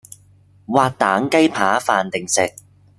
滑蛋雞扒飯定食